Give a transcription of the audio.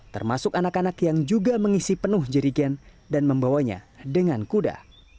termasuk anak anak yang juga mengisi penuh jerigen dan membawanya dengan kuda